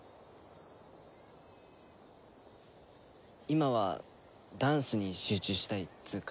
今はダンスに集中したいっつうか。